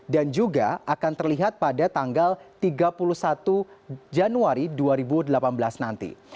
dan juga akan terlihat pada tanggal tiga puluh satu januari dua ribu delapan belas nanti